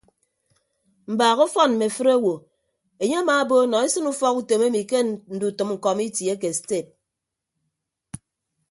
Mbaak ọfọn mme afịt owo enye amaabo nọ esịn ufọkutom emi ke ndutʌm kọmiti ake sted.